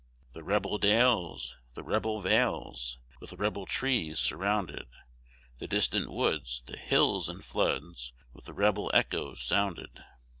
The rebel dales, the rebel vales, With rebel trees surrounded, The distant woods, the hills and floods, With rebel echoes sounded.